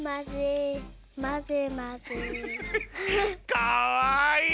かわいい！